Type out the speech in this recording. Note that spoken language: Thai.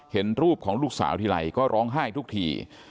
เห็นรูปของลูกสาวทีไรก็ร้องไห้ทุกที